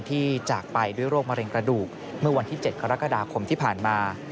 จากไปด้วยโรคมะเร็งกระดูกเมื่อวันที่๗กรกฎาคมที่ผ่านมา